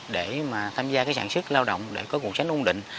để mà tham gia cái sản xuất lao động để có quần sánh ưu định